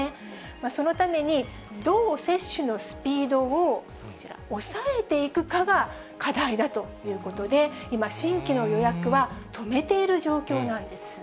そのために、どう接種のスピードをこちら、抑えていくかが課題だということで、今新規の予約は止めている状況なんです。